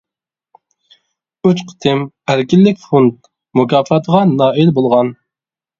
ئۈچ قېتىم «ئەركىنلىك فوند» مۇكاپاتىغا نائىل بولغان.